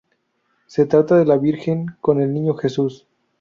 Se trata de la "Virgen con el Niño Jesus".